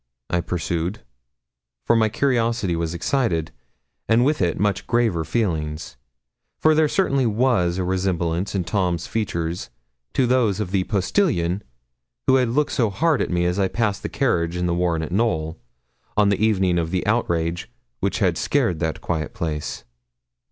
I pursued, for my curiosity was excited, and with it much graver feelings; for there certainly was a resemblance in Tom's features to those of the postilion who had looked so hard at me as I passed the carriage in the warren at Knowl, on the evening of the outrage which had scared that quiet place.